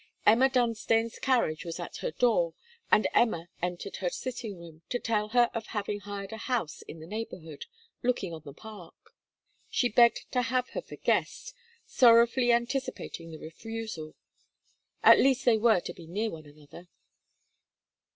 Emma Dunstane's carriage was at her door, and Emma entered her sitting room, to tell her of having hired a house in the neighbourhood, looking on the park. She begged to have her for guest, sorrowfully anticipating the refusal. At least they were to be near one another.